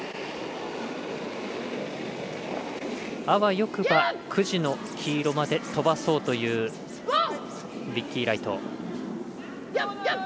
あわよくば、９時の黄色まで飛ばそうというビッキー・ライト。